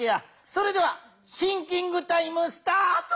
それではシンキングタイムスタート！